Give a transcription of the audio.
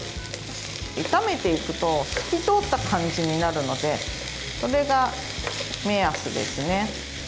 炒めていくと透き通った感じになるのでそれが目安ですね。